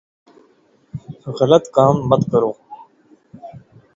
غلط کام مت کرو ـ